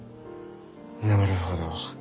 なるほど。